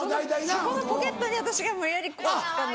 そこのポケットに私が無理やり突っ込んで。